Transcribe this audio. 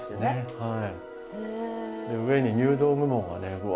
はい。